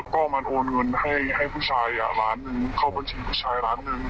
ก็มันโอนเงินให้ผู้ชายล้านหนึ่งเข้าบัญชีผู้ชายล้านหนึ่ง